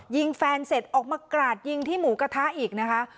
ยิงแฟนเสร็จออกมากราดยิงที่หมูกระทะอีกนะคะ